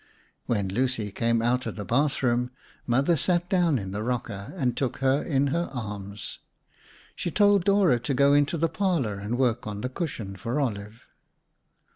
When Lucy came out of the bathroom, Mother sat down in the rocker and took her in her arms. She told Dora to go into the parlor and work on the cushion for Olive.